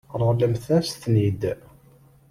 Ṛeḍlemt-as-ten-id.